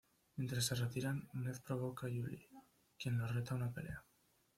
Mientras se retiran, Ned provoca Julie, quien lo reta a una pelea.